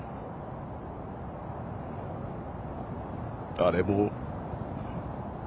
誰も。